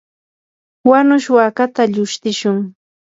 wanush wakata lushtishun.